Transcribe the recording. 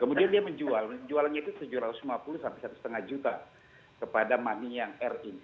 kemudian dia menjual menjualnya itu rp tujuh ratus lima puluh satu ratus lima puluh kepada mami yang ri